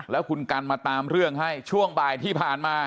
แล้วคุณกันมาตามเรื่องให้ช่วงบ่ายที่ผ่านมา